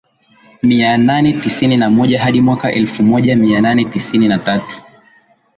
mia nane tisini na moja hadi mwaka elfu moja mia nane tisini na tatu